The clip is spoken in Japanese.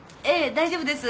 大丈夫です。